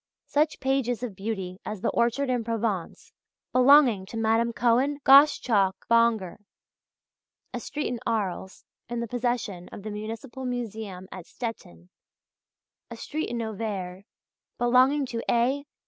Such pages of beauty as the "Orchard in Provence," belonging to Madame Cohen Gosschalk Bonger, "A Street in Arles," in the possession of the Municipal Museum at Stettin, "A Street in Auvers," belonging to A.